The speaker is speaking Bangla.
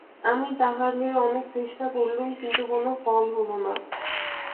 আমি তার হয়ে অনেক চেষ্টা করলুম, কিন্তু কোনো ফল হল না।